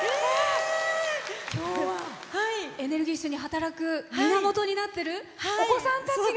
今日はエネルギッシュに働く源になってるお子さんたちが。